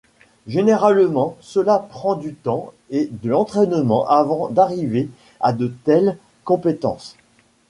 Généralement, cela prend du temps et de l’entraînement avant d'arriver à de telles compétences.